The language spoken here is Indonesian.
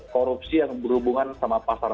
korupsi yang berhubungan sama pasar